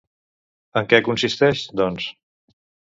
En què consisteix, doncs?